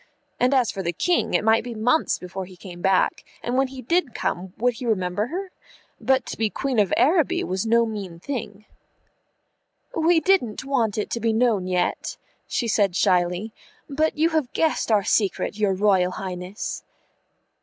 And as for the King, it might be months before he came back, and when he did come would he remember her? But to be Queen of Araby was no mean thing. "We didn't want it to be known yet," she said shyly, "but you have guessed our secret, your Royal Highness."